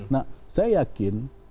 nah saya yakin